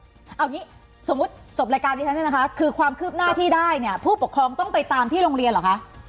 เอาอย่างนี้สมมุติจบรายการที่ฉันเนี่ยนะคะคือความคืบหน้าที่ได้เนี่ยผู้ปกครองต้องไปตามที่โรงเรียนเหรอคะ